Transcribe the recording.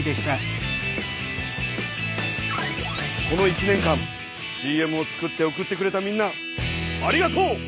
この１年間ＣＭを作って送ってくれたみんなありがとう！